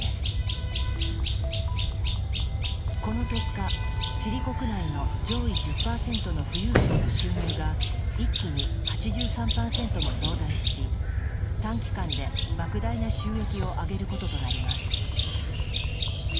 この結果チリ国内の上位１０％の富裕層の収入が一気に８３％も増大し短期間でばく大な収益を上げることとなります。